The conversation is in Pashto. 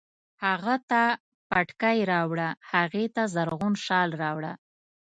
هغه ته پټکی راوړه، هغې ته زرغون شال راوړه